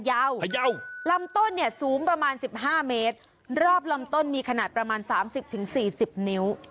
ยาวลำต้นเนี่ยสูงประมาณสิบห้าเมตรรอบลำต้นมีขนาดประมาณสามสิบถึงสี่สิบนิ้ว